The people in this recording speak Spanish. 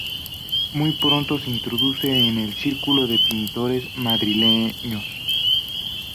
Muy pronto se introduce en el círculo de pintores madrileños.